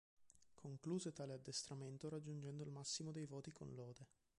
Concluse tale addestramento raggiungendo il massimo dei voti con lode.